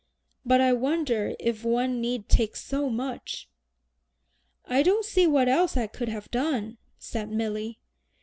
"But I wonder if one need take so much?" "I don't see what else I could have done," said Milly.